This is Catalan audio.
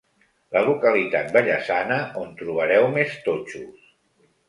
La localitat vallesana on trobareu més totxos.